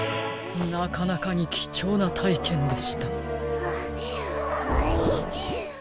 なかなかにきちょうなたいけんでした。